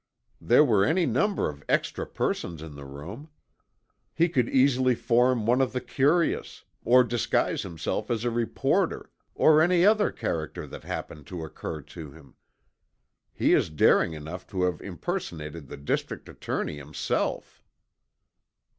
There were any number of extra persons in the room. He could easily form one of the curious, or disguise himself as a reporter, or any other character that happened to occur to him. He is daring enough to have impersonated the District Attorney himself."